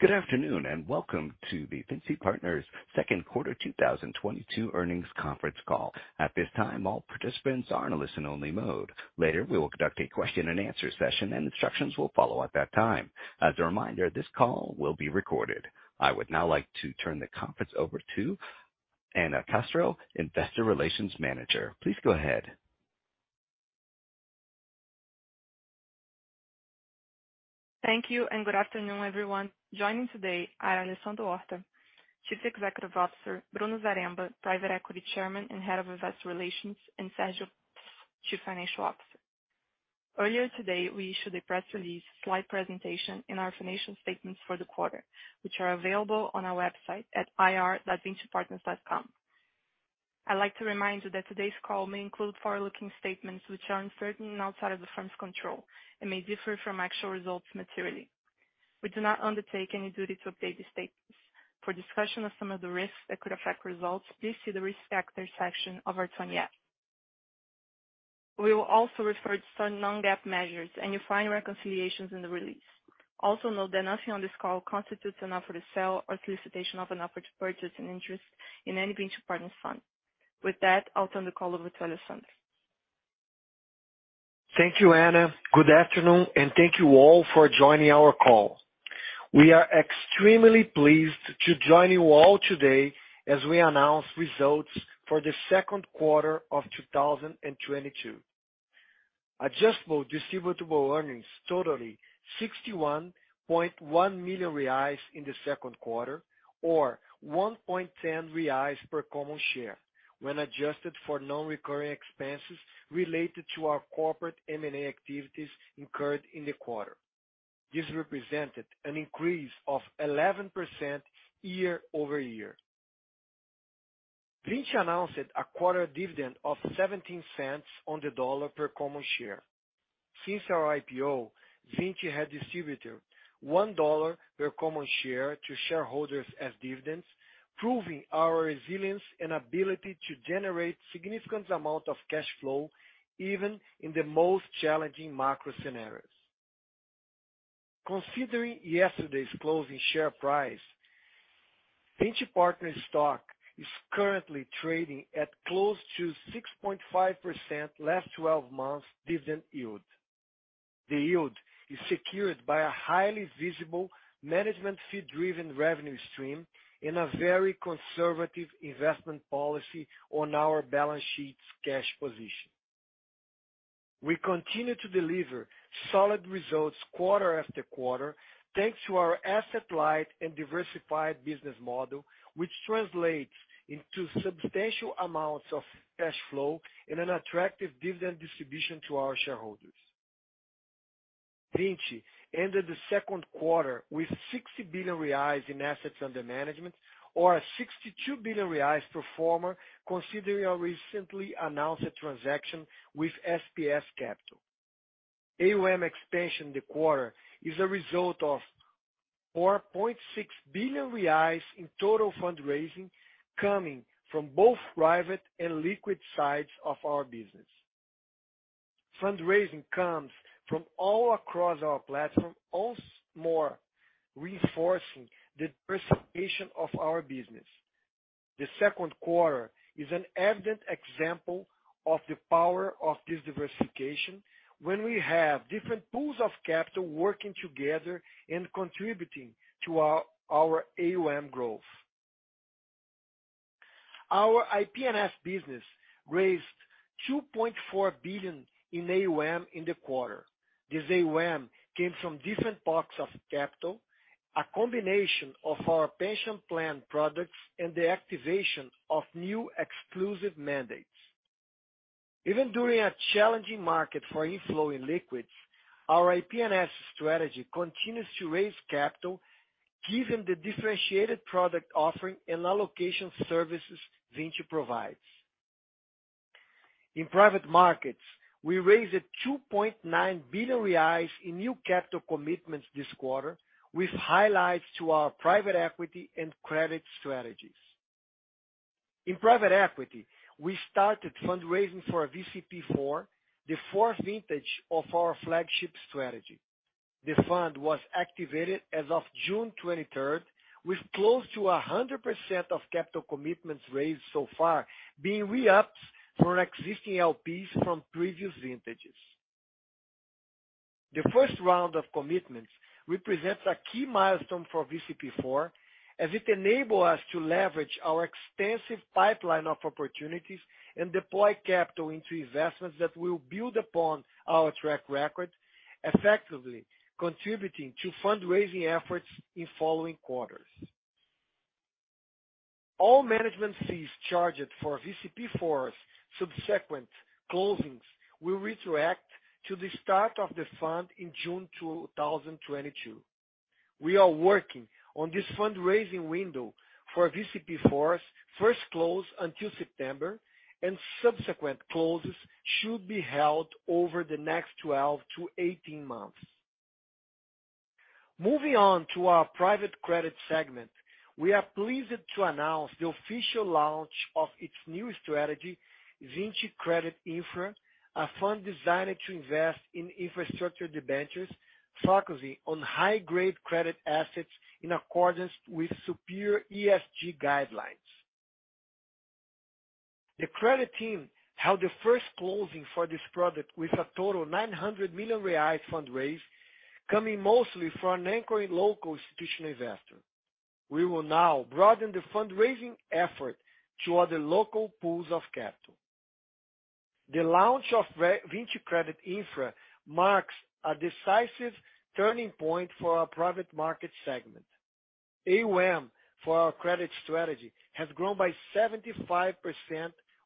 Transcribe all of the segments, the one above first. Good afternoon, and welcome to the Vinci Partners second quarter 2022 earnings conference call. At this time, all participants are in a listen-only mode. Later, we will conduct a question and answer session, and instructions will follow at that time. As a reminder, this call will be recorded. I would now like to turn the conference over to Anna Castro, investor relations manager. Please go ahead. Thank you and good afternoon, everyone. Joining today are Alessandro Horta, Chief Executive Officer, Bruno Zaremba, Private Equity Chairman and Head of Investor Relations, and Sergio, Chief Financial Officer. Earlier today, we issued a press release, slide presentation, and our financial statements for the quarter, which are available on our website at ir.vincipartners.com. I'd like to remind you that today's call may include forward-looking statements which are uncertain and outside of the firm's control and may differ from actual results materially. We do not undertake any duty to update these statements. For discussion of some of the risks that could affect results, please see the Risk Factors section of our Form 20-F. We will also refer to some non-GAAP measures, and you'll find reconciliations in the release. Also note that nothing on this call constitutes an offer to sell or solicitation of an offer to purchase an interest in any Vinci Partners fund. With that, I'll turn the call over to Alessandro. Thank you, Anna. Good afternoon, and thank you all for joining our call. We are extremely pleased to join you all today as we announce results for the second quarter of 2022. Adjusted distributable earnings totaling 61.1 million reais in the second quarter, or 1.10 reais per common share when adjusted for non-recurring expenses related to our corporate M&A activities incurred in the quarter. This represented an increase of 11% year-over-year. Vinci announced a quarter dividend of $0.17 per common share. Since our IPO, Vinci had distributed $1 per common share to shareholders as dividends, proving our resilience and ability to generate significant amount of cash flow even in the most challenging macro scenarios. Considering yesterday's closing share price, Vinci Partners' stock is currently trading at close to 6.5% last twelve months dividend yield. The yield is secured by a highly visible management fee-driven revenue stream and a very conservative investment policy on our balance sheet's cash position. We continue to deliver solid results quarter-after-quarter, thanks to our asset-light and diversified business model, which translates into substantial amounts of cash flow and an attractive dividend distribution to our shareholders. Vinci ended the second quarter with 60 billion reais in assets under management or 62 billion reais pro forma considering our recently announced transaction with SPS Capital. AUM expansion in the quarter is a result of 4.6 billion reais in total fundraising coming from both private and liquid sides of our business. Fundraising comes from all across our platform, also more reinforcing the diversification of our business. The second quarter is an evident example of the power of this diversification when we have different pools of capital working together and contributing to our AUM growth. Our IPNS business raised 2.4 billion in AUM in the quarter. This AUM came from different pockets of capital, a combination of our pension plan products and the activation of new exclusive mandates. Even during a challenging market for inflow in liquids, our IPNS strategy continues to raise capital given the differentiated product offering and allocation services Vinci provides. In private markets, we raised 2.9 billion reais in new capital commitments this quarter, with highlights to our private equity and credit strategies. In private equity, we started fundraising for VCP IV, the fourth vintage of our flagship strategy. The fund was activated as of June 23, with close to 100% of capital commitments raised so far being re-ups for existing LPs from previous vintages. The first round of commitments represents a key milestone for VCP IV, as it enables us to leverage our extensive pipeline of opportunities and deploy capital into investments that will build upon our track record, effectively contributing to fundraising efforts in following quarters. All management fees charged for VCP IV's subsequent closings will retroact to the start of the fund in June 2022. We are working on this fundraising window for VCP IV's first close until September, and subsequent closes should be held over the next 12-18 months. Moving on to our private credit segment. We are pleased to announce the official launch of its new strategy, Vinci Credit Infra, a fund designed to invest in infrastructure debentures, focusing on high grade credit assets in accordance with superior ESG guidelines. The credit team held the first closing for this product with a total 900 million reais fundraise, coming mostly from an anchoring local institutional investor. We will now broaden the fundraising effort to other local pools of capital. The launch of Vinci Credit Infra marks a decisive turning point for our private market segment. AUM for our credit strategy has grown by 75%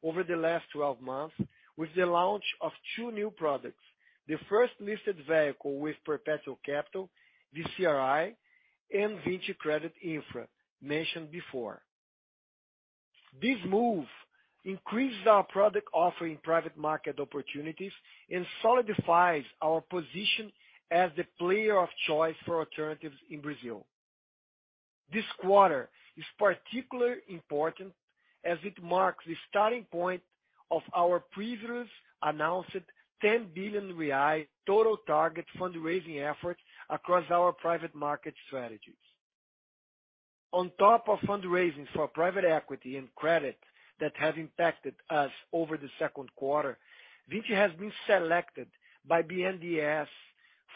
over the last 12 months with the launch of two new products, the first listed vehicle with perpetual capital, VCRI, and Vinci Credit Infra, mentioned before. This move increases our product offer in private market opportunities and solidifies our position as the player of choice for alternatives in Brazil. This quarter is particularly important as it marks the starting point of our previous announced 10 billion real total target fundraising effort across our private market strategies. On top of fundraising for private equity and credit that have impacted us over the second quarter, Vinci has been selected by BNDES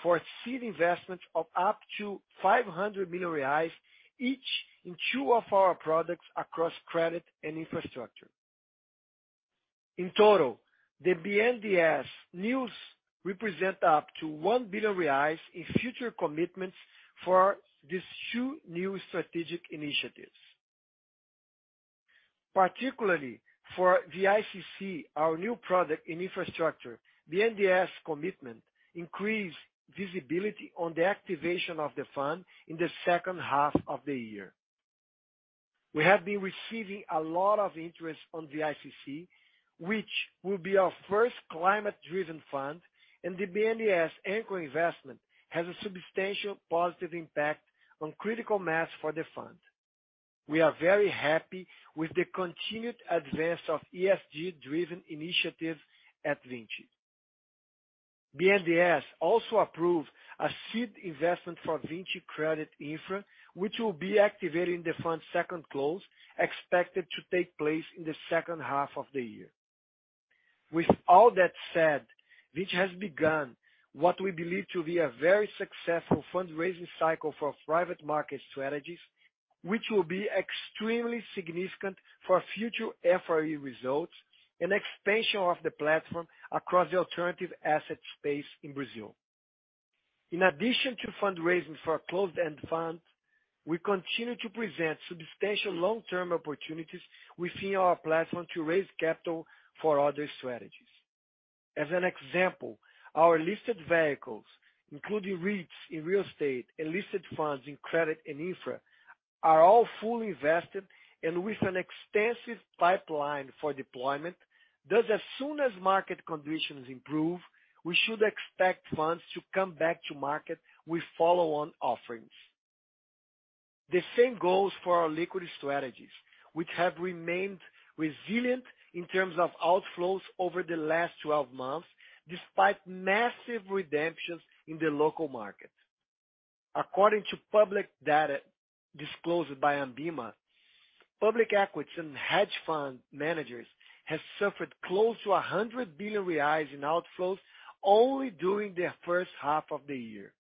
for seed investments of up to 500 million reais, each in two of our products across credit and infrastructure. In total, the BNDES news represent up to 1 billion reais in future commitments for these two new strategic initiatives. Particularly for the VICC, our new product in infrastructure, BNDES commitment increase visibility on the activation of the fund in the second half of the year. We have been receiving a lot of interest on VICC, which will be our first climate-driven fund, and the BNDES anchor investment has a substantial positive impact on critical mass for the fund. We are very happy with the continued advance of ESG-driven initiatives at Vinci. BNDES also approved a seed investment for Vinci Credit Infra, which will be activated in the fund's second close, expected to take place in the second half of the year. With all that said, Vinci has begun what we believe to be a very successful fundraising cycle for private market strategies, which will be extremely significant for future FRE results and expansion of the platform across the alternative asset space in Brazil. In addition to fundraising for closed-end funds, we continue to present substantial long-term opportunities within our platform to raise capital for other strategies. As an example, our listed vehicles, including REITs in real estate and listed funds in credit and infra, are all fully invested and with an extensive pipeline for deployment. Thus as soon as market conditions improve, we should expect funds to come back to market with follow-on offerings. The same goes for our liquidity strategies, which have remained resilient in terms of outflows over the last 12 months, despite massive redemptions in the local market. According to public data disclosed by ANBIMA, public equity and hedge fund managers has suffered close to 100 billion reais in outflows only during the first half of the year.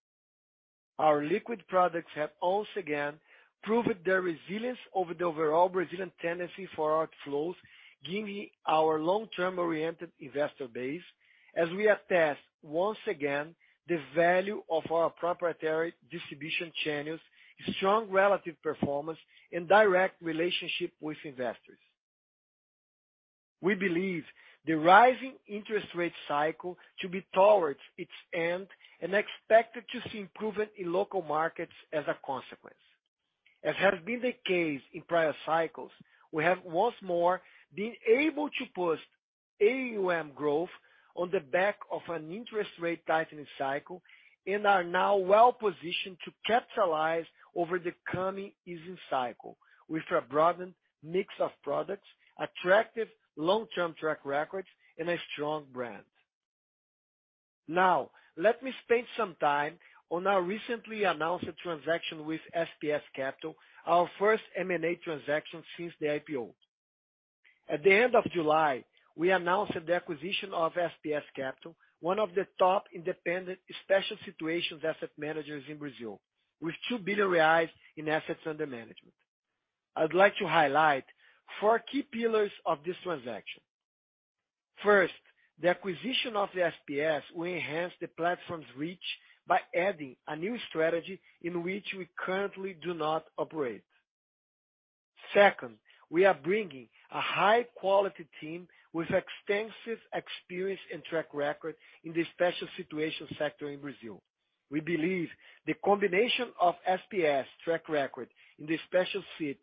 Our liquid products have once again proved their resilience over the overall Brazilian tendency for outflows, giving our long-term oriented investor base as we attest once again the value of our proprietary distribution channels, strong relative performance, and direct relationship with investors. We believe the rising interest rate cycle to be towards its end and expected to see improvement in local markets as a consequence. As has been the case in prior cycles, we have once more been able to post AUM growth on the back of an interest rate tightening cycle and are now well-positioned to capitalize over the coming easing cycle with a broadened mix of products, attractive long-term track records, and a strong brand. Now, let me spend some time on our recently announced transaction with SPS Capital, our first M&A transaction since the IPO. At the end of July, we announced the acquisition of SPS Capital, one of the top independent special situations asset managers in Brazil with 2 billion reais in assets under management. I'd like to highlight four key pillars of this transaction. First, the acquisition of the SPS will enhance the platform's reach by adding a new strategy in which we currently do not operate. Second, we are bringing a high quality team with extensive experience and track record in the special situation sector in Brazil. We believe the combination of SPS track record in the special situations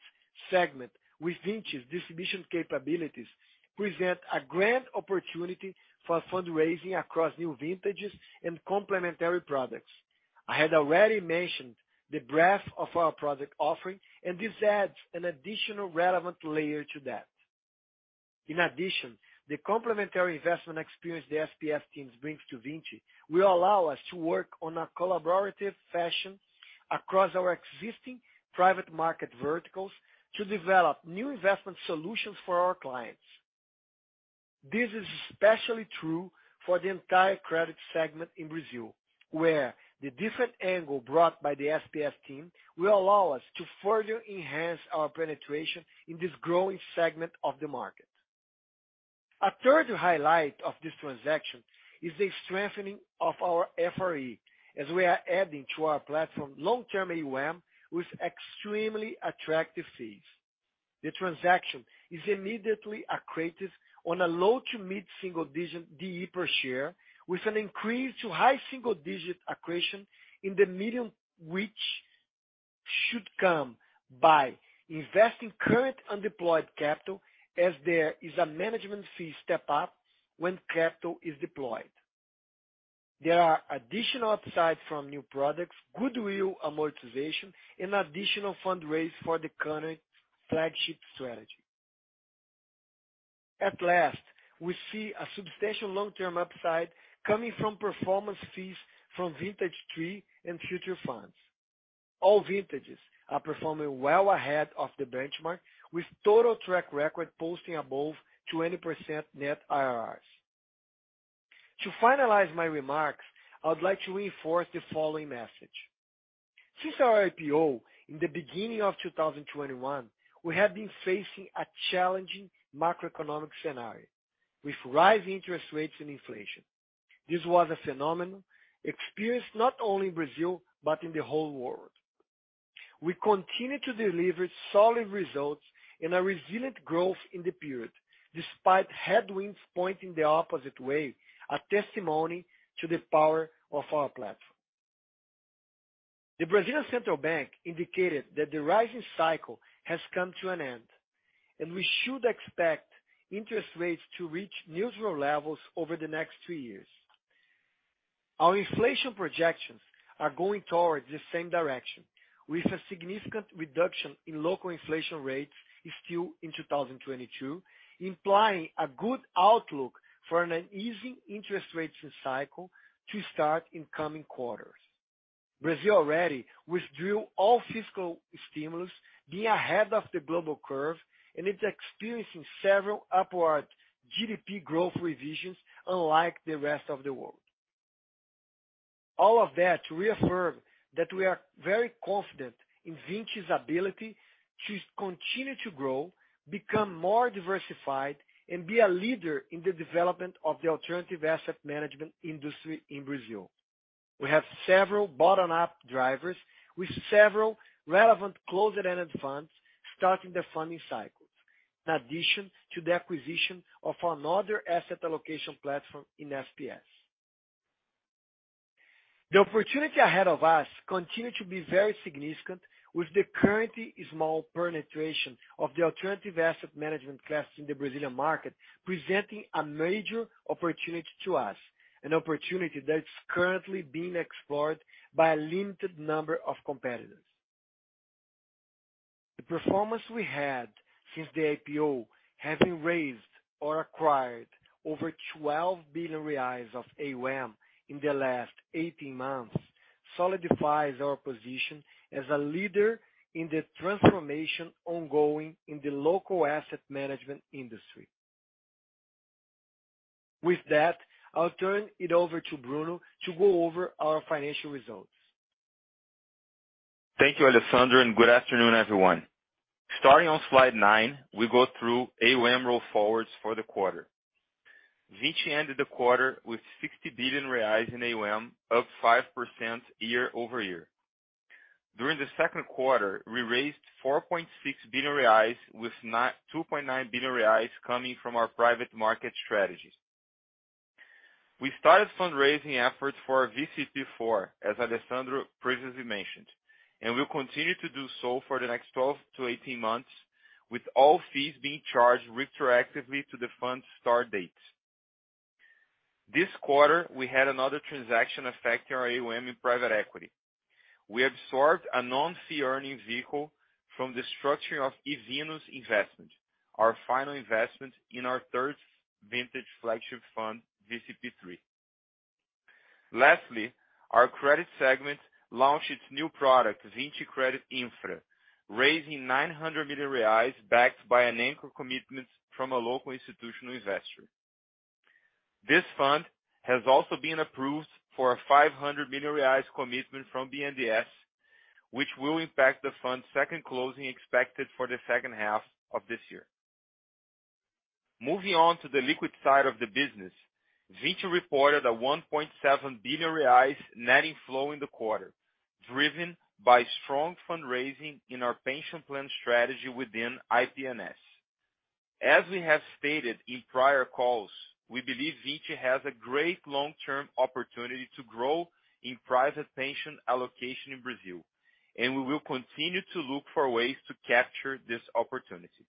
segment with Vinci's distribution capabilities presents a great opportunity for fundraising across new vintages and complementary products. I had already mentioned the breadth of our product offering, and this adds an additional relevant layer to that. In addition, the complementary investment experience the SPS teams brings to Vinci will allow us to work in a collaborative fashion across our existing private market verticals to develop new investment solutions for our clients. This is especially true for the entire credit segment in Brazil, where the different angle brought by the SPS team will allow us to further enhance our penetration in this growing segment of the market. A third highlight of this transaction is the strengthening of our FRE as we are adding to our platform long-term AUM with extremely attractive fees. The transaction is immediately accretive on a low to mid-single digit DE per share, with an increase to high single digit accretion in the medium, which should come by investing current undeployed capital as there is a management fee step up when capital is deployed. There are additional upsides from new products, goodwill amortization, and additional fundraise for the current flagship strategy. At last, we see a substantial long-term upside coming from performance fees from Vintage three and future funds. All vintages are performing well ahead of the benchmark, with total track record posting above 20% net IRRs. To finalize my remarks, I would like to reinforce the following message. Since our IPO in the beginning of 2021, we have been facing a challenging macroeconomic scenario with rising interest rates and inflation. This was a phenomenon experienced not only in Brazil but in the whole world. We continue to deliver solid results and a resilient growth in the period, despite headwinds pointing the opposite way, a testimony to the power of our platform. The Central Bank of Brazil indicated that the rising cycle has come to an end, and we should expect interest rates to reach neutral levels over the next three years. Our inflation projections are going towards the same direction, with a significant reduction in local inflation rates still in 2022, implying a good outlook for an easing interest rates cycle to start in coming quarters. Brazil already withdrew all fiscal stimulus, being ahead of the global curve, and it's experiencing several upward GDP growth revisions unlike the rest of the world. All of that reaffirm that we are very confident in Vinci's ability to continue to grow, become more diversified, and be a leader in the development of the alternative asset management industry in Brazil. We have several bottom-up drivers with several relevant closed-ended funds starting their funding cycles, in addition to the acquisition of another asset allocation platform in SPS Capital. The opportunity ahead of us continues to be very significant with the currently small penetration of the alternative asset management class in the Brazilian market, presenting a major opportunity to us, an opportunity that is currently being explored by a limited number of competitors. The performance we had since the IPO having raised or acquired over 12 billion reais of AUM in the last 18 months solidifies our position as a leader in the transformation ongoing in the local asset management industry. With that, I'll turn it over to Bruno to go over our financial results. Thank you, Alessandro, and good afternoon, everyone. Starting on slide nine, we go through AUM roll forwards for the quarter. Vinci ended the quarter with 60 billion reais in AUM, up 5% year-over-year. During the second quarter, we raised 4.6 billion reais with 2.9 billion reals coming from our private market strategies. We started fundraising efforts for VCP IV, as Alessandro previously mentioned, and we'll continue to do so for the next 12-18 months, with all fees being charged retroactively to the fund start date. This quarter, we had another transaction affecting our AUM in private equity. We absorbed a non-fee earning vehicle from the structuring of Evenus Investment, our final investment in our third vintage flagship fund, VCP III. Lastly, our credit segment launched its new product, Vinci Credit Infra, raising 900 million reais backed by an anchor commitment from a local institutional investor. This fund has also been approved for a 500 million reais commitment from BNDES, which will impact the fund's second closing expected for the second half of this year. Moving on to the liquid side of the business, Vinci reported a 1.7 billion reais net inflow in the quarter, driven by strong fundraising in our pension plan strategy within IPNS. As we have stated in prior calls, we believe Vinci has a great long-term opportunity to grow in private pension allocation in Brazil, and we will continue to look for ways to capture this opportunity.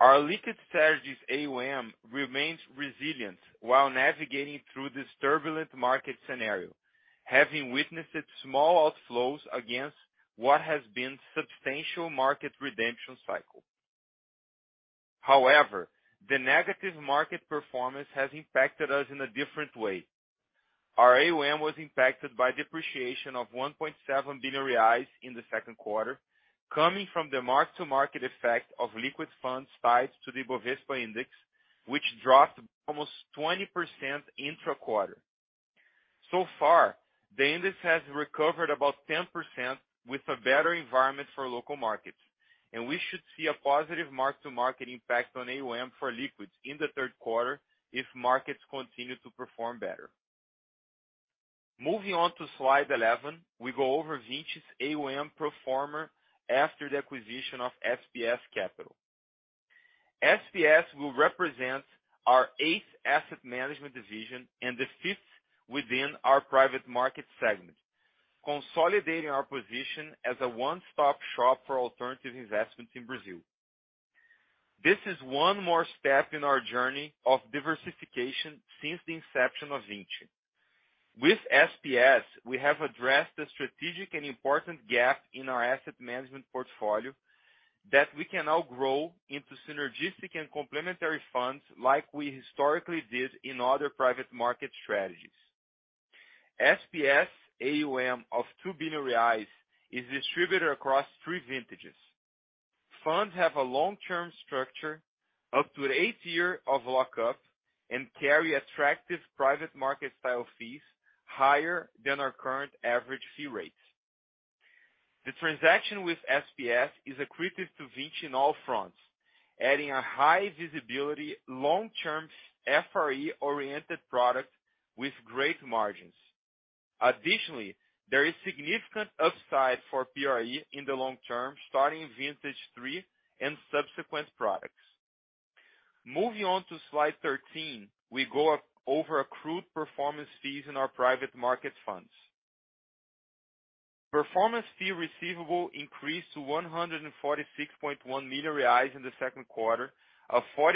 Our liquid strategies AUM remains resilient while navigating through this turbulent market scenario, having witnessed small outflows against what has been substantial market redemption cycle. However, the negative market performance has impacted us in a different way. Our AUM was impacted by depreciation of 1.7 billion reais in the second quarter, coming from the mark-to-market effect of liquid funds tied to the Bovespa index, which dropped almost 20% intra-quarter. So far, the index has recovered about 10% with a better environment for local markets, and we should see a positive mark-to-market impact on AUM for liquids in the third quarter if markets continue to perform better. Moving on to slide 11, we go over Vinci's AUM pro forma after the acquisition of SPS Capital. SPS will represent our eighth asset management division and the fifth within our private market segment, consolidating our position as a one-stop shop for alternative investments in Brazil. This is one more step in our journey of diversification since the inception of Vinci. With SPS, we have addressed the strategic and important gap in our asset management portfolio that we can now grow into synergistic and complementary funds like we historically did in other private market strategies. SPS AUM of 2 billion is distributed across three vintages. Funds have a long-term structure up to an eight-year lockup and carry attractive private market style fees higher than our current average fee rates. The transaction with SPS is accretive to Vinci in all fronts, adding a high visibility, long-term FRE-oriented product with great margins. Additionally, there is significant upside for PRE in the long term, starting vintage three and subsequent products. Moving on to slide 13, we go over accrued performance fees in our private market funds. Performance fee receivable increased to 146.1 million reais in the second quarter, a 40%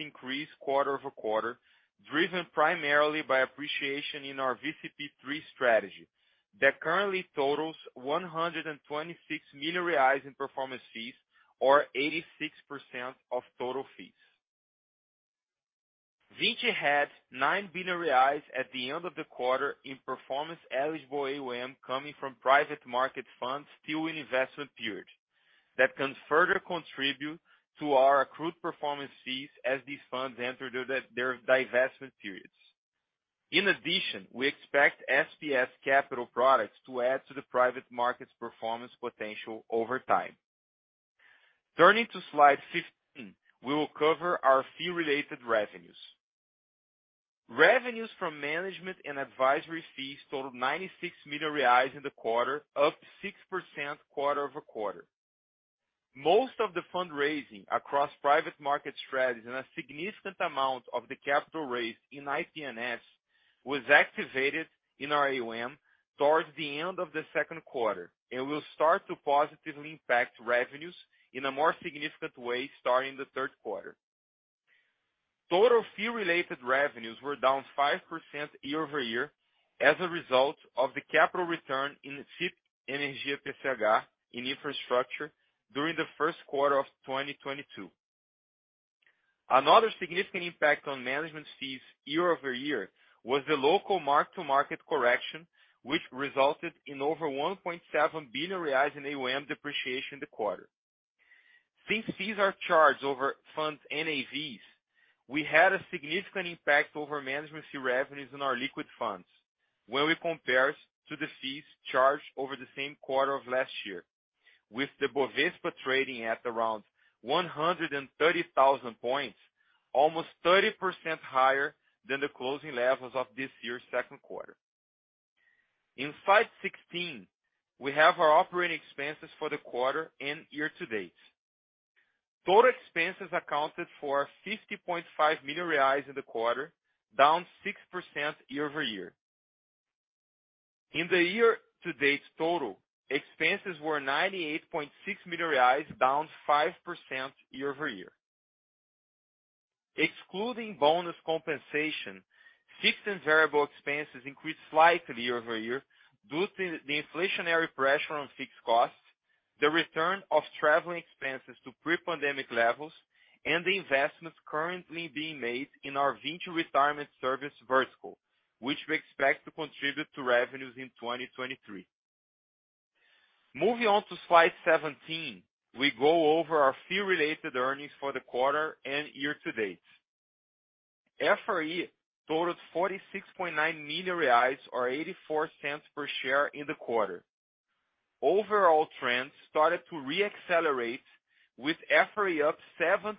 increase quarter-over-quarter, driven primarily by appreciation in our VCP III strategy that currently totals 126 million reais in performance fees, or 86% of total fees. Vinci had 9 billion reais at the end of the quarter in performance eligible AUM coming from private market funds still in investment period that can further contribute to our accrued performance fees as these funds enter their divestment periods. In addition, we expect SPS Capital products to add to the private markets performance potential over time. Turning to slide 15, we will cover our fee-related revenues. Revenues from management and advisory fees totaled 96 million reais in the quarter, up 6% quarter-over-quarter. Most of the fundraising across private market strategies and a significant amount of the capital raised in IPNS was activated in our AUM towards the end of the second quarter and will start to positively impact revenues in a more significant way starting the third quarter. Total fee-related revenues were down 5% year-over-year as a result of the capital return in FIP Energia PCH in infrastructure during the first quarter of 2022. Another significant impact on management fees year-over-year was the local mark-to-market correction, which resulted in over 1.7 billion reais in AUM depreciation in the quarter. Since fees are charged over funds NAVs, we had a significant impact over management fee revenues in our liquid funds when we compare to the fees charged over the same quarter of last year. With the Bovespa trading at around 130,000 points, almost 30% higher than the closing levels of this year's second quarter. In slide 16, we have our operating expenses for the quarter and year to date. Total expenses accounted for 50.5 million reais in the quarter, down 6% year-over-year. In the year to date total, expenses were 98.6 million reais, down 5% year-over-year. Excluding bonus compensation, fixed and variable expenses increased slightly year-over-year due to the inflationary pressure on fixed costs, the return of traveling expenses to pre-pandemic levels, and the investments currently being made in our Vinci Retirement Services vertical, which we expect to contribute to revenues in 2023. Moving on to slide 17, we go over our fee related earnings for the quarter and year to date. FRE totaled 46.9 million reais or $0.84 per share in the quarter. Overall trends started to re-accelerate with FRE up 7%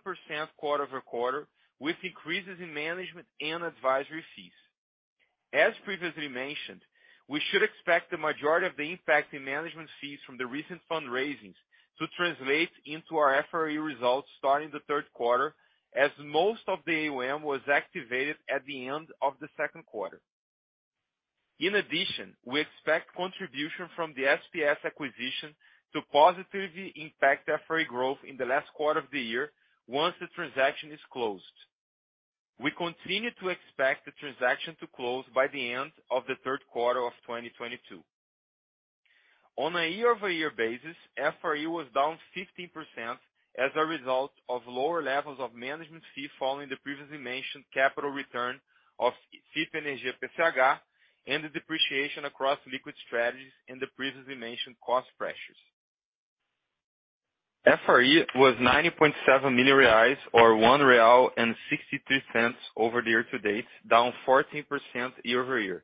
quarter-over-quarter, with increases in management and advisory fees. Previously mentioned, we should expect the majority of the impact in management fees from the recent fundraisings to translate into our FRE results starting the third quarter, as most of the AUM was activated at the end of the second quarter. In addition, we expect contribution from the SPS acquisition to positively impact FRE growth in the last quarter of the year once the transaction is closed. We continue to expect the transaction to close by the end of the third quarter of 2022. On a year-over-year basis, FRE was down 15% as a result of lower levels of management fee following the previously mentioned capital return of FIP Energia PCH and the depreciation across liquid strategies and the previously mentioned cost pressures. FRE was 90.7 million reais or 1.62 real over the year to date, down 14% year-over-year,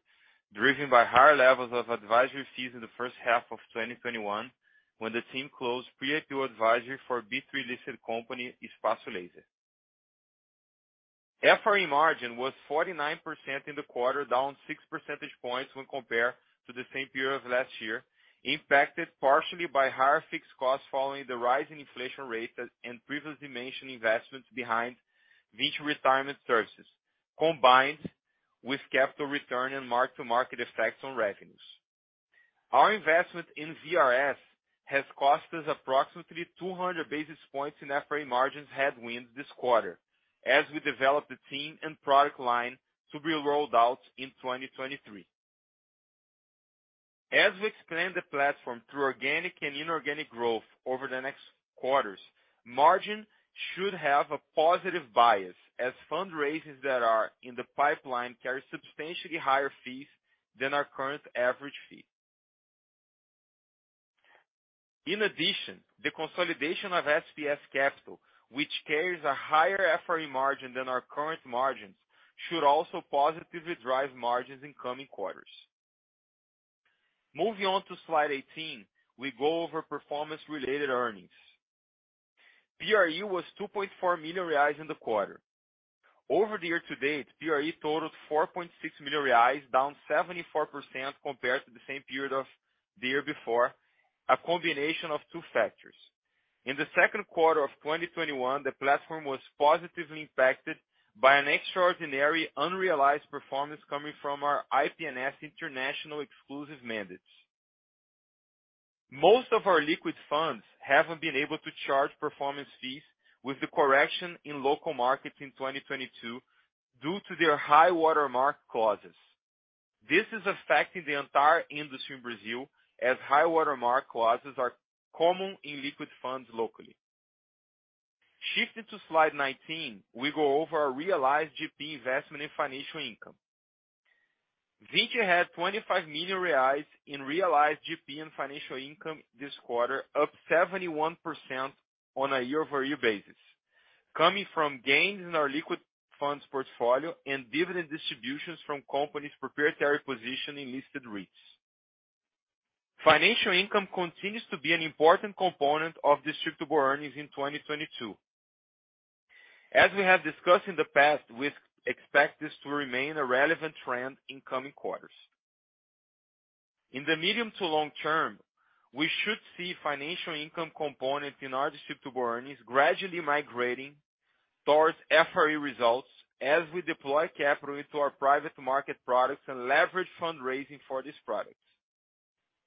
driven by higher levels of advisory fees in the first half of 2021 when the team closed pre-IPO advisory for B3 listed company Espaçolaser. FRE margin was 49% in the quarter, down six percentage points when compared to the same period of last year, impacted partially by higher fixed costs following the rise in inflation rates and previously mentioned investments behind Vinci Retirement Services, combined with capital return and mark-to-market effects on revenues. Our investment in VRS has cost us approximately 200 basis points in FRE margins headwinds this quarter as we develop the team and product line to be rolled out in 2023. We expand the platform through organic and inorganic growth over the next quarters, margin should have a positive bias as fundraises that are in the pipeline carry substantially higher fees than our current average fee. In addition, the consolidation of SPS Capital, which carries a higher FRE margin than our current margins should also positively drive margins in coming quarters. Moving on to slide 18, we go over performance related earnings. PRE was 2.4 million reais in the quarter. Over the year to date, PRE totaled 4.6 million reais, down 74% compared to the same period of the year before, a combination of two factors. In the second quarter of 2021, the platform was positively impacted by an extraordinary unrealized performance coming from our IPNS international exclusive mandates. Most of our liquid funds haven't been able to charge performance fees with the correction in local markets in 2022 due to their high water mark clauses. This is affecting the entire industry in Brazil as high water mark clauses are common in liquid funds locally. Shifting to slide 19, we go over our realized GP investment in financial income. Vinci had 25 million reais in realized GP and financial income this quarter, up 71% on a year-over-year basis, coming from gains in our liquid funds portfolio and dividend distributions from company's proprietary position in listed REITs. Financial income continues to be an important component of distributable earnings in 2022. As we have discussed in the past, we expect this to remain a relevant trend in coming quarters. In the medium to long term, we should see financial income component in our distributable earnings gradually migrating towards FRE results as we deploy capital into our private market products and leverage fundraising for these products.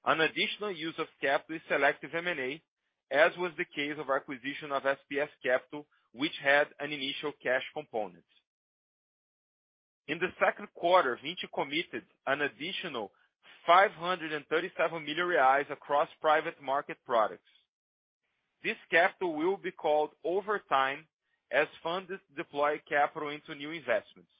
An additional use of capital is selective M&A, as was the case of acquisition of SPS Capital, which had an initial cash component. In the second quarter, Vinci committed an additional 537 million reais across private market products. This capital will be called over time as funds deploy capital into new investments.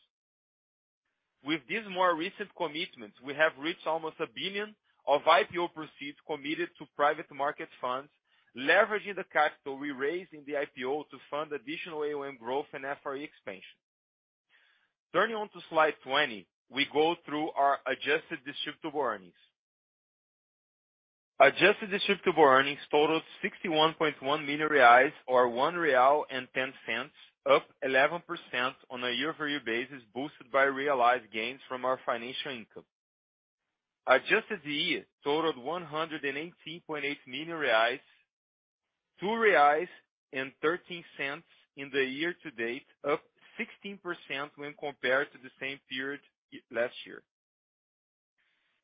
With this more recent commitment, we have reached almost 1 billion of IPO proceeds committed to private market funds, leveraging the capital we raised in the IPO to fund additional AUM growth and FRE expansion. Turning to slide 20, we go through our adjusted distributable earnings. Adjusted distributable earnings totaled 61.1 million reais, or 1.10 real, up 11% on a year-over-year basis, boosted by realized gains from our financial income. Adjusted DE totaled 118.8 million reais, 2.13 reais in the year to date, up 16% when compared to the same period last year.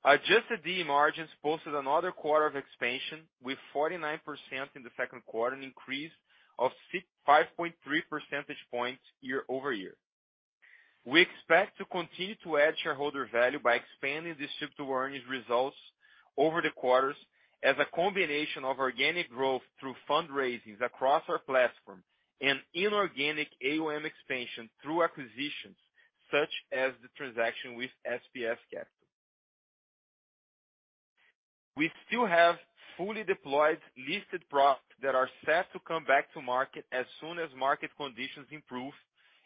Adjusted DE margins posted another quarter of expansion with 49% in the second quarter, an increase of 5.3 percentage points year-over-year. We expect to continue to add shareholder value by expanding distributable earnings results over the quarters as a combination of organic growth through fundraisings across our platform and inorganic AUM expansion through acquisitions such as the transaction with SPS Capital. We still have fully deployed listed products that are set to come back to market as soon as market conditions improve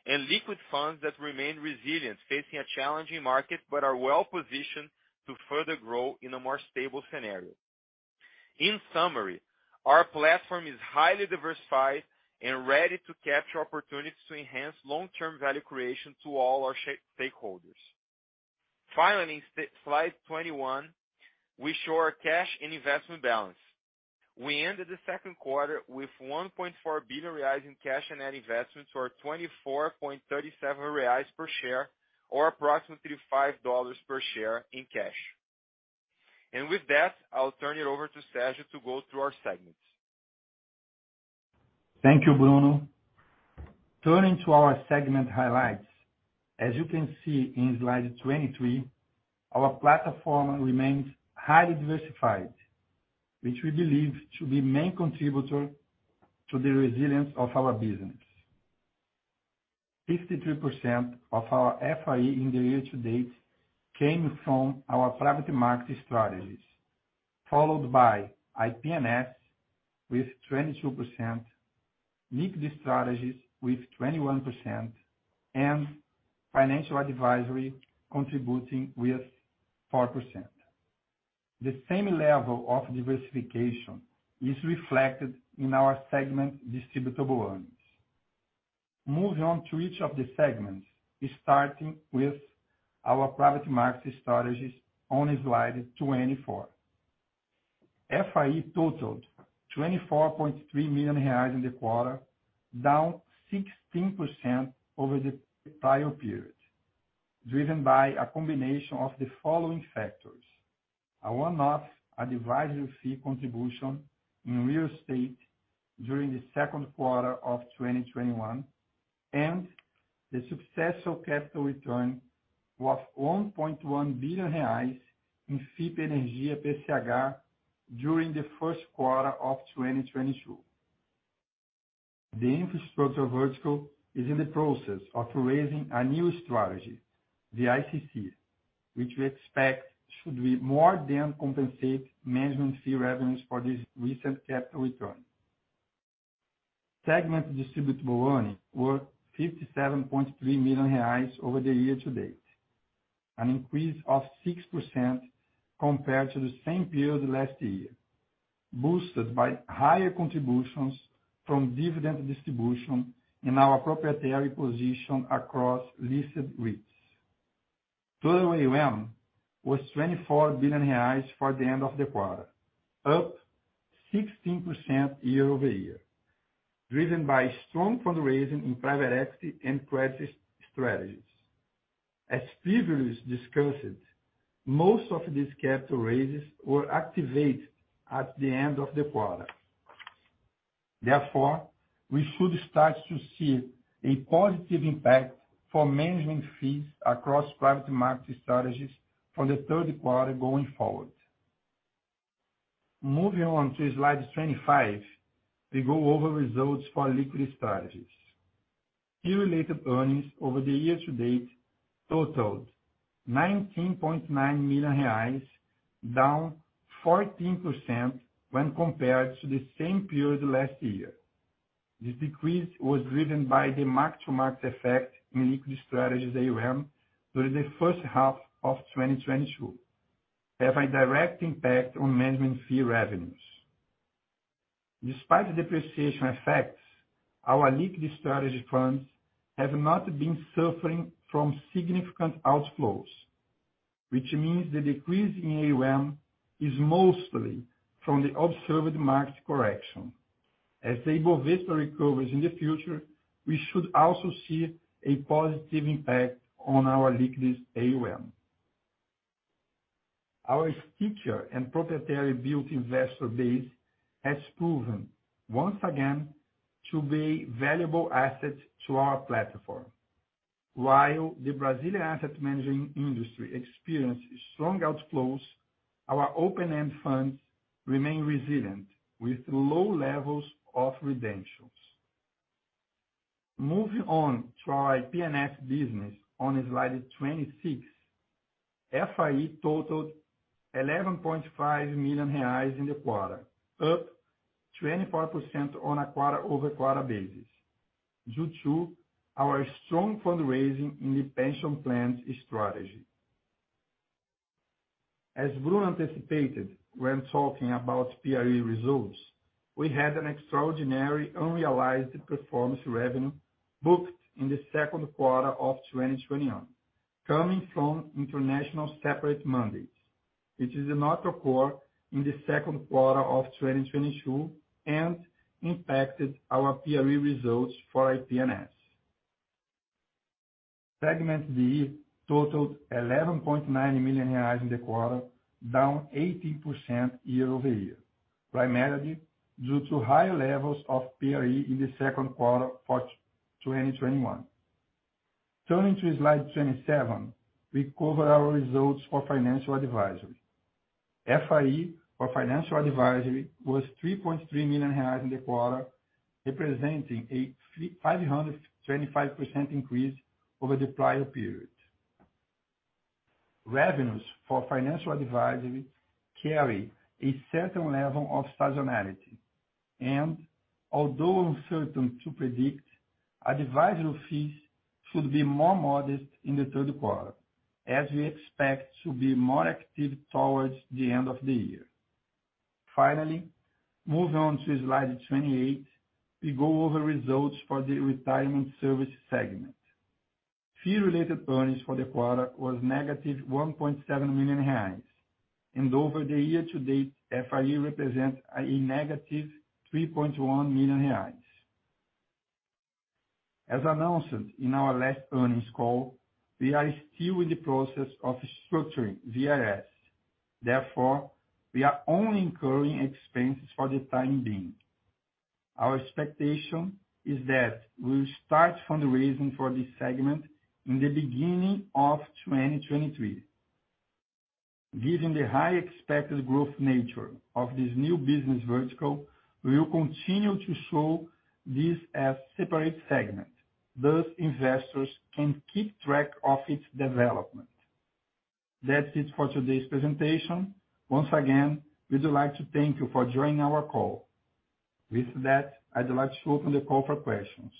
and liquid funds that remain resilient, facing a challenging market but are well positioned to further grow in a more stable scenario. In summary, our platform is highly diversified and ready to capture opportunities to enhance long-term value creation to all our stakeholders. Finally, in slide 21, we show our cash and investment balance. We ended the second quarter with 1.4 billion reais in cash and investments, or 24.37 reais per share, or approximately $5 per share in cash. With that, I'll turn it over to Sergio to go through our segments. Thank you, Bruno. Turning to our segment highlights, as you can see in slide 23, our platform remains highly diversified, which we believe to be main contributor to the resilience of our business. 53% of our FRE in the year to date came from our private market strategies, followed by IPNS with 22%, mid strategies with 21%, and financial advisory contributing with 4%. The same level of diversification is reflected in our segment distributable earnings. Moving on to each of the segments, starting with our private market strategies on slide 24. FRE totaled 24.3 million reais in the quarter, down 16% over the prior period, driven by a combination of the following factors, a one-off advisory fee contribution in real estate during the second quarter of 2021, and the successful capital return was 1.1 billion reais in FIP Energia PCH during the first quarter of 2022. The infrastructure vertical is in the process of raising a new strategy, the VICC, which we expect should more than compensate management fee revenues for this recent capital return. Segment distributable earnings were 57.3 million reais over the year to date, an increase of 6% compared to the same period last year, boosted by higher contributions from dividend distribution in our proprietary position across listed REITs. Total AUM was 24 billion reais for the end of the quarter, up 16% year-over-year, driven by strong fundraising in private equity and credit strategies. As previously discussed, most of these capital raises were activated at the end of the quarter. Therefore, we should start to see a positive impact for management fees across private market strategies for the third quarter going forward. Moving on to slide 25, we go over results for liquidity strategies. Fee-related earnings over the year to date totaled BRL 19.9 million, down 14% when compared to the same period last year. This decrease was driven by the mark-to-market effect in liquid strategies AUM during the first half of 2022, having a direct impact on management fee revenues. Despite the depreciation effects, our liquid strategy funds have not been suffering from significant outflows, which means the decrease in AUM is mostly from the observed market correction. As the Bovespa recovers in the future, we should also see a positive impact on our liquid AUM. Our stickier and proprietary built investor base has proven once again to be a valuable asset to our platform. While the Brazilian asset management industry experiences strong outflows, our open-end funds remain resilient with low levels of redemptions. Moving on to our IPNS business on slide 26. FRE totaled 11.5 million reais in the quarter, up 24% on a quarter-over-quarter basis, due to our strong fundraising in the pension plan strategy. As Bruno anticipated when talking about PRE results, we had an extraordinary unrealized performance revenue booked in the second quarter of 2021 coming from international separate mandates, which did not occur in the second quarter of 2022 and impacted our PRE results for IPNS. Segment VE totaled 11.9 million reais in the quarter, down 18% year-over-year, primarily due to higher levels of PRE in the second quarter for 2021. Turning to slide 27, we cover our results for financial advisory. FRE for financial advisory was 3.3 million reais in the quarter, representing a 325% increase over the prior period. Revenues for financial advisory carry a certain level of seasonality. Although uncertain to predict, advisory fees should be more modest in the third quarter as we expect to be more active towards the end of the year. Finally, move on to slide 28. We go over results for the retirement service segment. Fee-Related Earnings for the quarter was -1.7 million reais and year to date, FRE represents -BRL 3.1 million. As announced in our last earnings call, we are still in the process of structuring VRS. Therefore, we are only incurring expenses for the time being. Our expectation is that we'll start fundraising for this segment in the beginning of 2023. Given the high expected growth nature of this new business vertical, we will continue to show this as separate segment, thus investors can keep track of its development. That's it for today's presentation. Once again, we'd like to thank you for joining our call. With that, I'd like to open the call for questions.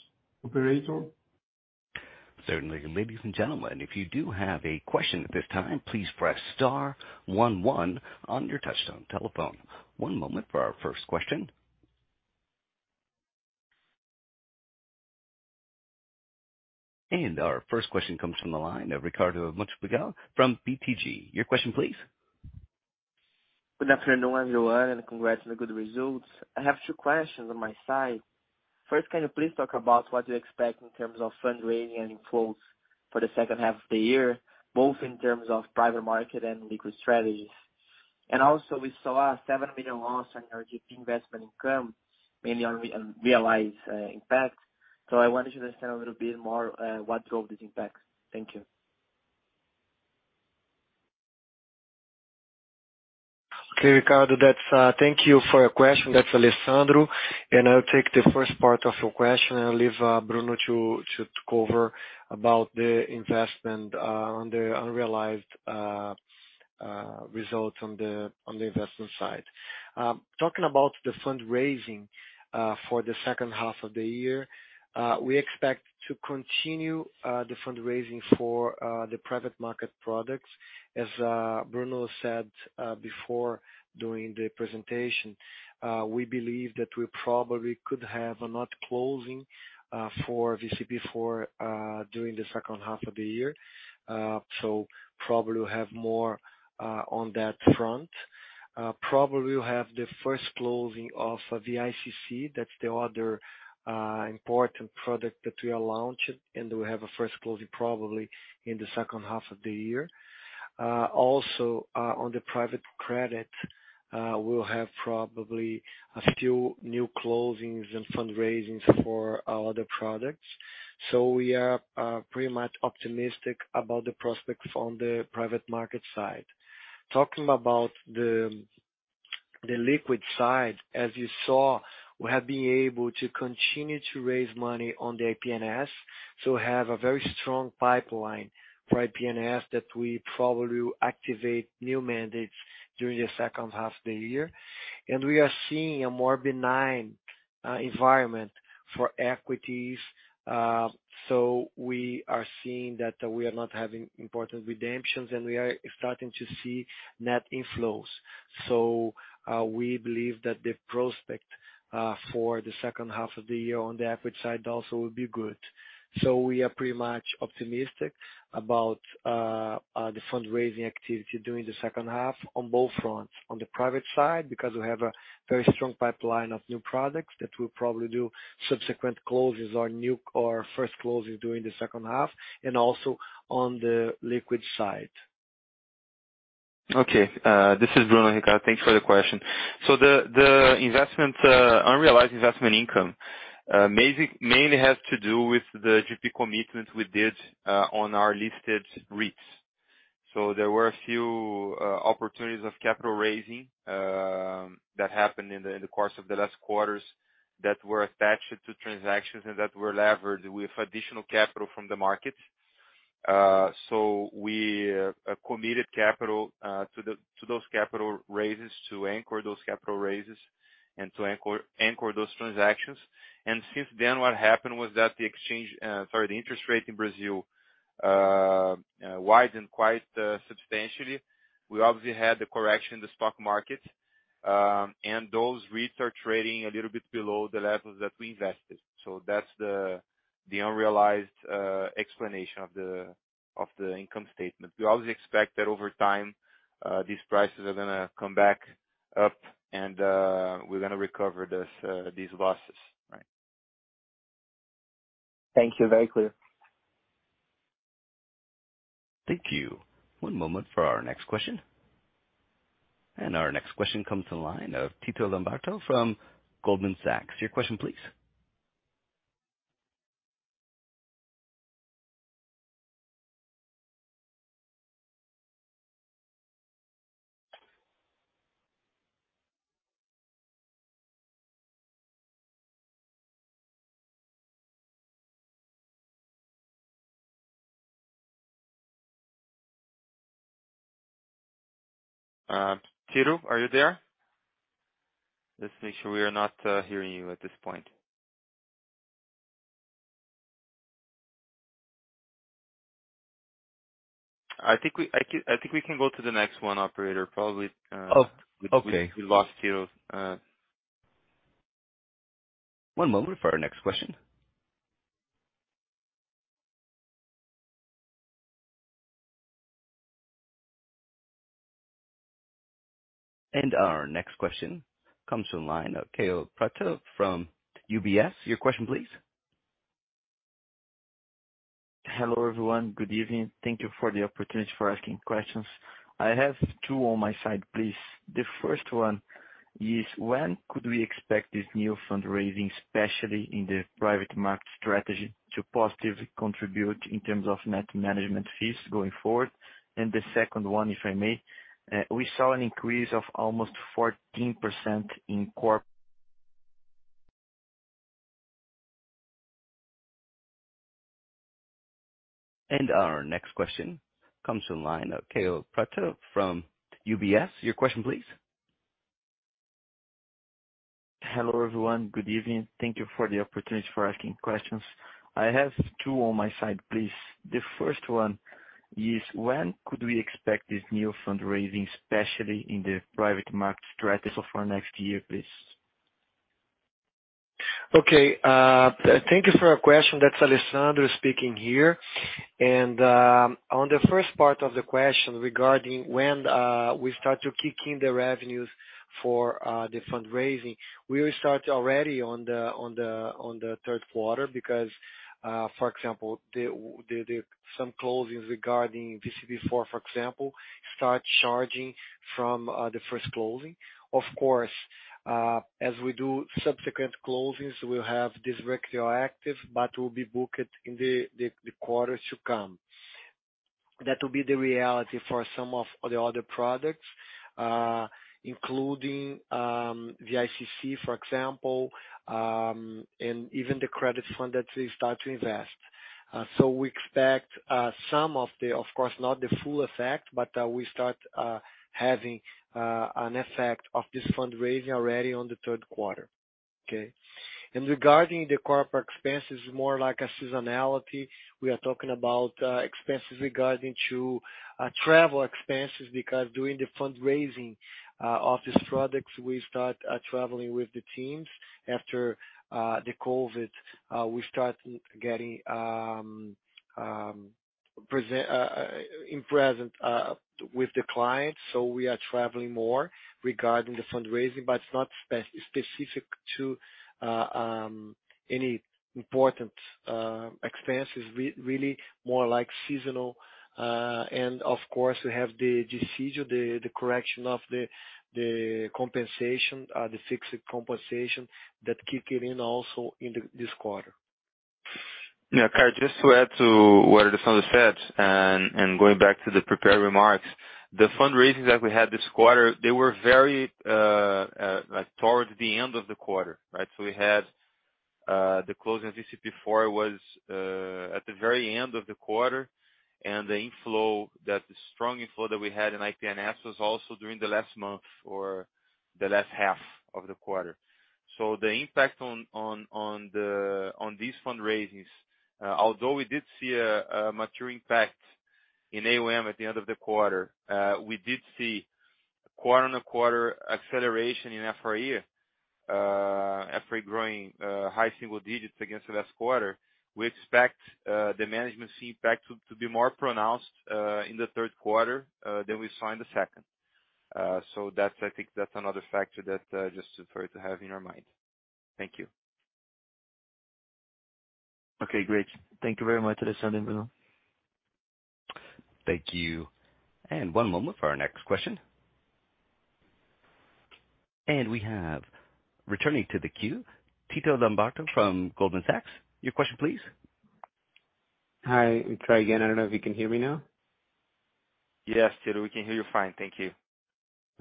Operator. Certainly. Ladies and gentlemen, if you do have a question at this time, please press star one one on your touchtone telephone. One moment for our first question. Our first question comes from the line of Ricardo Buchpiguel from BTG. Your question please. Good afternoon, everyone, and congrats on the good results. I have two questions on my side. First, can you please talk about what you expect in terms of fundraising and inflows for the second half of the year, both in terms of private market and liquid strategies. We saw a 7 million loss on your GP investment income, mainly on unrealized impact. I wanted to understand a little bit more, what drove this impact. Thank you. Okay, Ricardo, thank you for your question. That's Alessandro. I'll take the first part of your question and leave Bruno to cover about the investment on the unrealized results on the investment side. Talking about the fundraising for the second half of the year, we expect to continue the fundraising for the private market products. As Bruno said before during the presentation, we believe that we probably could have another closing for VCP IV during the second half of the year. Probably we'll have more on that front. Probably we'll have the first closing of VICC. That's the other important product that we are launching, and we have a first closing probably in the second half of the year. Also, on the private credit, we'll have probably a few new closings and fundraisings for our other products. We are pretty much optimistic about the prospects on the private market side. Talking about the liquid side, as you saw, we have been able to continue to raise money on the IPNS, so we have a very strong pipeline for IPNS that we probably will activate new mandates during the second half of the year. We are seeing a more benign environment for equities. We are seeing that we are not having important redemptions and we are starting to see net inflows. We believe that the prospect for the second half of the year on the equity side also will be good. We are pretty much optimistic about the fundraising activity during the second half on both fronts. On the private side, because we have a very strong pipeline of new products that will probably do subsequent closes or first closes during the second half, and also on the liquid side. Okay. This is Bruno, Ricardo. Thanks for the question. Unrealized investment income mainly has to do with the GP commitment we did on our listed REITs. There were a few opportunities of capital raising that happened in the course of the last quarters that were attached to transactions and that were leveraged with additional capital from the market. We committed capital to those capital raises to anchor those capital raises and to anchor those transactions. Since then what happened was that the interest rate in Brazil widened quite substantially. We obviously had the correction in the stock market, and those REITs are trading a little bit below the levels that we invested. That's the unrealized explanation of the income statement. We always expect that over time, these prices are gonna come back up and, we're gonna recover this, these losses. Right. Thank you. Very clear. Thank you. One moment for our next question. Our next question comes to the line of Tito Labarta from Goldman Sachs. Your question please. Tito, are you there? Just to make sure we are not hearing you at this point. I think we can go to the next one, operator, probably. Oh, okay. We lost Tito. One moment for our next question. Our next question comes from the line of Kaio Prato from UBS. Your question please. Hello, everyone. Good evening. Thank you for the opportunity for asking questions. I have two on my side, please. The first one is when could we expect this new fundraising, especially in the private market strategy, to positively contribute in terms of net management fees going forward? The second one, if I may, we saw an increase of almost 14% in corp- Our next question comes from the line of Kaio Prato from UBS. Your question, please. Hello, everyone. Good evening. Thank you for the opportunity for asking questions. I have two on my side, please. The first one is when could we expect this new fundraising, especially in the private market strategy for next year, please? Thank you for your question. That's Alessandro speaking here. On the first part of the question regarding when we start to kick in the revenues for the fundraising, we will start already on the third quarter because, for example, some closings regarding VCP IV for example start charging from the first closing. Of course, as we do subsequent closings, we'll have this retroactive, but will be booked in the quarters to come. That will be the reality for some of the other products, including the VICC, for example, and even the credit fund that they start to invest. We expect some of the. Of course, not the full effect, but we start having an effect of this fundraising already on the third quarter. Okay? Regarding the corporate expenses, more like a seasonality. We are talking about expenses regarding travel expenses because during the fundraising of these products, we start traveling with the teams. After the COVID, we start getting in-person with the clients, so we are traveling more regarding the fundraising. But it's not specific to any important expenses really more like seasonal. Of course, we have the decision, the correction of the compensation, the fixed compensation that kicks in also in this quarter. Yeah. Kaio, just to add to what Alessandro said and going back to the prepared remarks, the fundraising that we had this quarter, they were very like towards the end of the quarter, right? We had the closing VCP IV was at the very end of the quarter. The inflow, that strong inflow that we had in IPNS was also during the last month or the last half of the quarter. The impact on these fundraisings, although we did see a material impact in AUM at the end of the quarter, we did see quarter-on-quarter acceleration in FRE growing high single digits against the last quarter. We expect the management fee impact to be more pronounced in the third quarter than we saw in the second. I think that's another factor that just to for you to have in your mind. Thank you. Okay. Great. Thank you very much, Alessandro and Bruno. Thank you. One moment for our next question. We have, returning to the queue, Tito Labarta from Goldman Sachs. Your question, please. Hi. Let me try again. I don't know if you can hear me now. Yes, Tito, we can hear you fine. Thank you.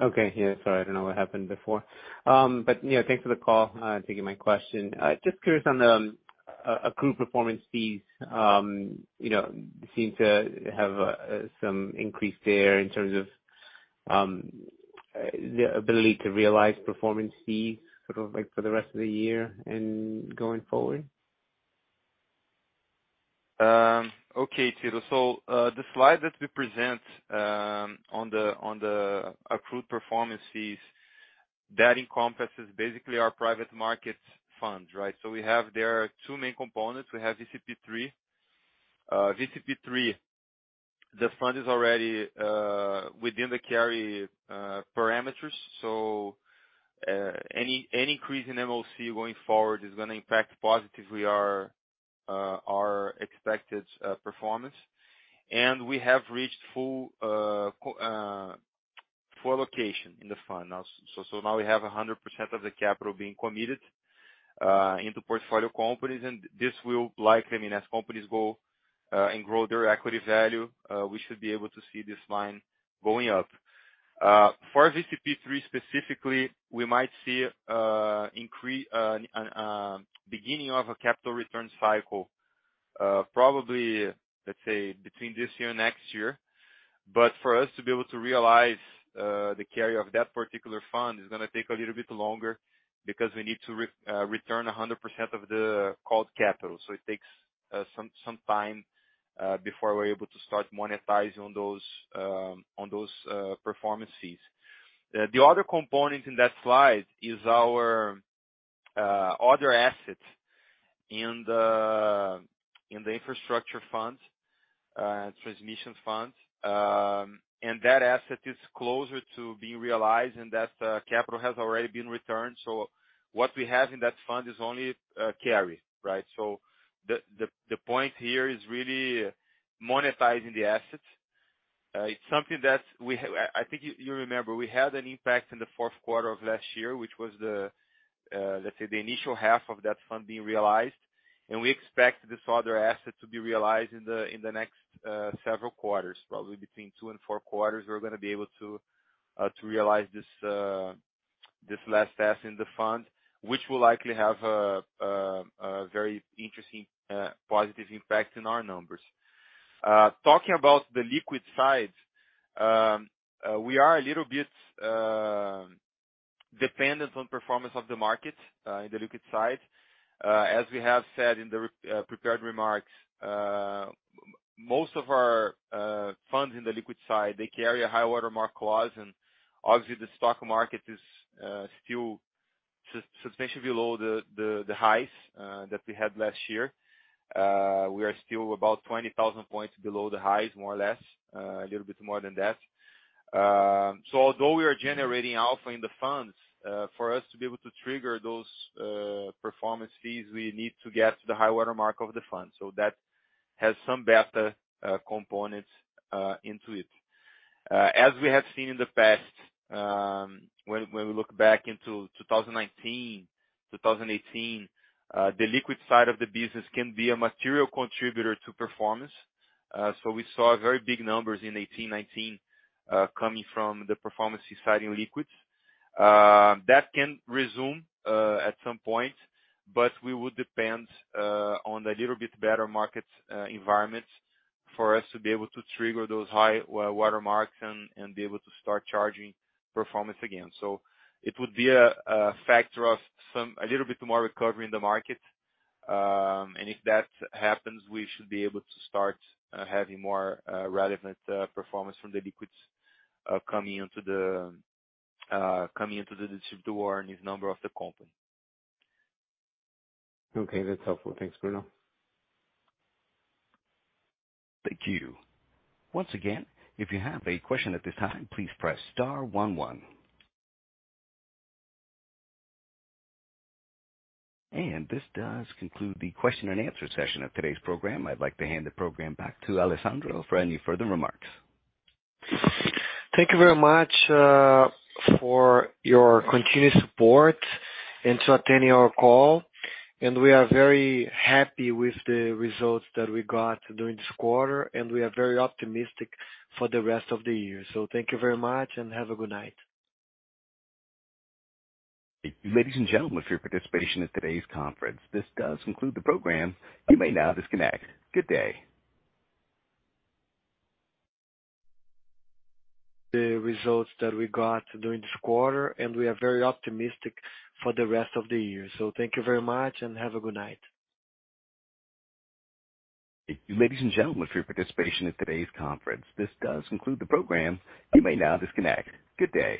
Okay. Yeah. Sorry, I don't know what happened before. Yeah, thanks for the call, taking my question. Just curious on the accrued performance fees, you know, seem to have some increase there in terms of the ability to realize performance fees sort of like for the rest of the year and going forward. Okay, Tito. The slide that we present on the accrued performance fees, that encompasses basically our private markets funds, right? We have two main components. We have VCP III. The fund is already within the carry parameters. Any increase in MOC going forward is gonna impact positively our expected performance. We have reached full allocation in the fund now. Now we have 100% of the capital being committed into portfolio companies. This will likely mean as companies go and grow their equity value, we should be able to see this line going up. For VCP III specifically, we might see an increase, beginning of a capital return cycle. Probably, let's say between this year and next year. For us to be able to realize the carry of that particular fund is gonna take a little bit longer because we need to return 100% of the called capital. It takes some time before we're able to start monetizing on those performance fees. The other component in that slide is our other assets in the infrastructure funds and transmission funds. That asset is closer to being realized, and that capital has already been returned. What we have in that fund is only carry, right? The point here is really monetizing the assets. It's something that we had—I think you remember we had an impact in the fourth quarter of last year, which was the, let's say, the initial half of that fund being realized. We expect this other asset to be realized in the next several quarters, probably between two and four quarters. We're gonna be able to realize this last asset in the fund. Which will likely have a very interesting positive impact in our numbers. Talking about the liquid side, we are a little bit dependent on performance of the market in the liquid side. As we have said in the prepared remarks, most of our funds in the liquid side, they carry a high water mark clause. Obviously the stock market is still substantially below the highs that we had last year. We are still about 20,000 points below the highs, more or less, a little bit more than that. Although we are generating alpha in the funds, for us to be able to trigger those performance fees, we need to get to the high water mark of the fund. That has some beta components into it. As we have seen in the past, when we look back into 2019, 2018, the liquid side of the business can be a material contributor to performance. We saw very big numbers in 2018, 2019, coming from the performance side in liquids. That can resume at some point, but we would depend on a little bit better market environment for us to be able to trigger those high-water marks and be able to start charging performance again. It would be a factor of a little bit more recovery in the market. If that happens, we should be able to start having more relevant performance from the LPs coming into the distribution in AUM of the company. Okay, that's helpful. Thanks, Bruno. Thank you. Once again, if you have a question at this time, please press star one. This does conclude the question and answer session of today's program. I'd like to hand the program back to Alessandro for any further remarks. Thank you very much, for your continued support and to attending our call. We are very happy with the results that we got during this quarter, and we are very optimistic for the rest of the year. Thank you very much and have a good night. Ladies and gentlemen, for your participation at today's conference. This does conclude the program. You may now disconnect. Good day. The results that we got during this quarter, and we are very optimistic for the rest of the year. Thank you very much and have a good night. Ladies and gentlemen, for your participation in today's conference. This does conclude the program. You may now disconnect. Good day.